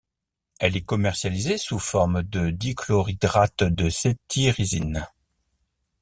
Elle est commercialisée sous forme de dichlorhydrate de cétirizine.